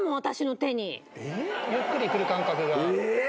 ゆっくり来る感覚があったと。